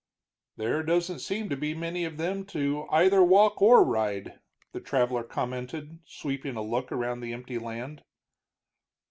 "There doesn't seem to be many of them to either walk or ride," the traveler commented, sweeping a look around the empty land.